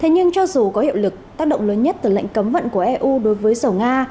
nhưng cho dù có hiệu lực tác động lớn nhất từ lệnh cấm vận của eu đối với dầu nga